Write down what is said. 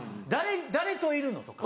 「誰といるの？」とか。